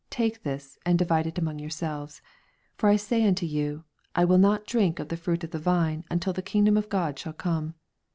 Take this, and di vide it among yourselves : 18 For I say unto you, I will not drink of the fruit of the vine, ulVU the kingdom of God shall come.